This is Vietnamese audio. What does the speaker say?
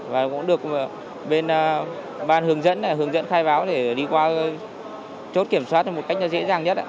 và cũng được bên ban hướng dẫn hướng dẫn khai báo để đi qua chốt kiểm soát được một cách dễ dàng nhất